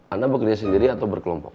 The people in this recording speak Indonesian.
anda bekerja sendiri atau berkelompok